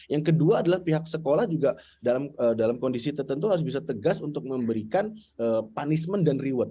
yang kedua adalah pihak sekolah juga dalam kondisi tertentu harus bisa tegas untuk memberikan punishment dan reward